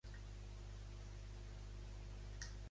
TMB senyalitza els materials amb ciment al metro.